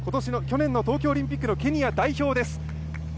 去年の東京オリンピックのケニア代表です。